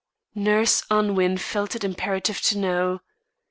Nurse Unwin felt it imperative to know.